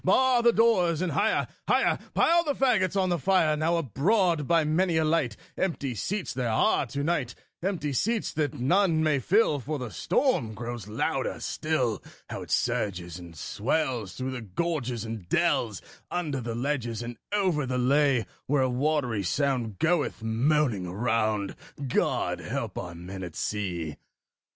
Bar the doors, and higher, higher Pile the faggots on the fire: Now abroad, by many a light, Empty seats there are to night Empty seats that none may fill, For the storm grows louder still: How it surges and swells through the gorges and dells, Under the ledges and over the lea, Where a watery sound goeth moaning around God help our men at sea!